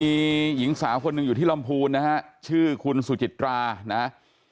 มีหญิงสาวคนหนึ่งอยู่ที่ลำพูนนะฮะชื่อคุณสุจิตรานะฮะ